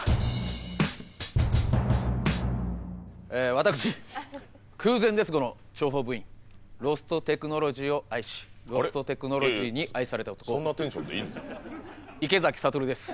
私空前絶後の諜報部員ロストテクノロジーを愛しロストテクノロジーに愛された男池崎慧です。